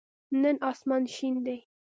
نن آسمان شین دی.